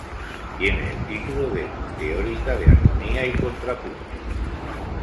Tiene el título de "Teórica de armonía y contrapunto".